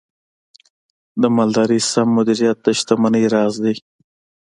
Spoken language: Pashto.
د مالدارۍ سم مدیریت د شتمنۍ راز دی.